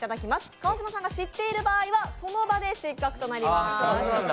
川島さんが知っている場合はその場で失格となります。